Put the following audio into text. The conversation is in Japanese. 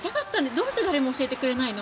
どうして誰も教えてくれないの？